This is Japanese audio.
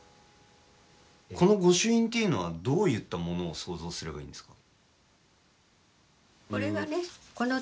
この御朱印というのはどういったものを想像すればいいんですか。